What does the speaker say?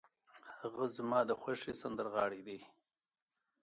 هغه زما د خوښې سندرغاړی دی.